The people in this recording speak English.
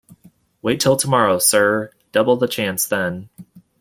Wait till tomorrow, sir; double the chance then.